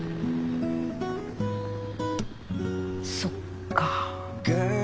そっか。